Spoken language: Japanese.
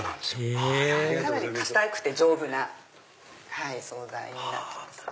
へぇかなり硬くて丈夫な素材になってますね。